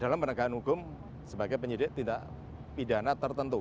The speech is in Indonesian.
dalam penegakan hukum sebagai penyidik tindak pidana tertentu